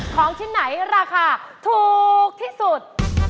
ของชิ้นไหนราคาถูกที่สุด